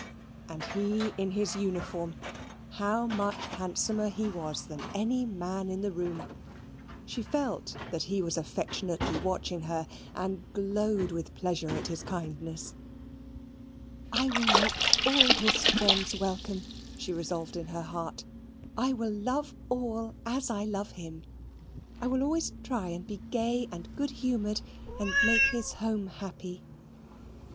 And he in his uniform how much handsomer he was than any man in the room! She felt that he was affectionately watching her, and glowed with pleasure at his kindness. "I will make all his friends welcome," she resolved in her heart. "I will love all as I love him. I will always try and be gay and good humoured and make his home happy."